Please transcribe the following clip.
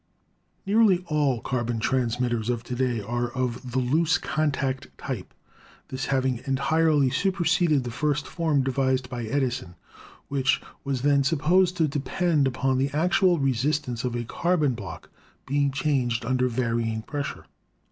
Nearly all carbon transmitters of to day are of the loose contact type, this having entirely superseded the first form devised by Edison, which was then supposed to depend THE TELEPHONE 273 on the actual resistance of a carbon block being changed under varying pressure.